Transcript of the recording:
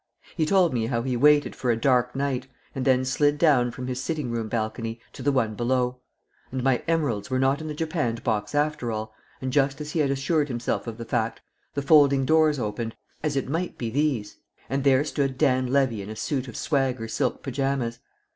He told me how he waited for a dark night, and then slid down from his sitting room balcony to the one below. And my emeralds were not in the japanned box after all; and just as he had assured himself of the fact, the folding doors opened "as it might be these," and there stood Dan Levy "in a suit of swagger silk pyjamas."